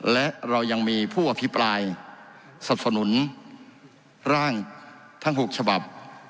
และเรายังมีผู้อภิปรายสับสนุนร่างทั้ง๖ฉบับ